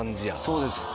そうです。